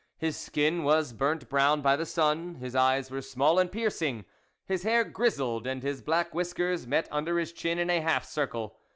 His skin was burnt brown by the sun, his eyes were small and piercing, his hair grizzled, and his black whiskers met under his chin in a half circle.